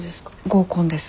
合コンです。